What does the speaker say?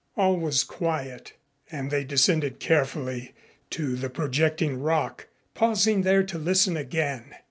All was quiet, and they descended carefully to the projecting rock, pausing there to listen again.